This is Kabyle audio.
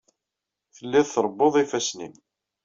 Telliḍ trebbuḍ ifassen-nnem.